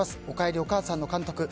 おかえりお母さん」の監督